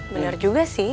bener juga sih